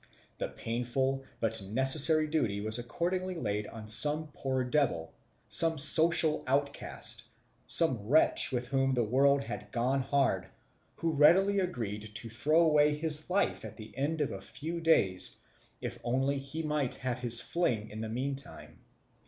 The painful but necessary duty was accordingly laid on some poor devil, some social outcast, some wretch with whom the world had gone hard, who readily agreed to throw away his life at the end of a few days if only he might have his fling in the meantime.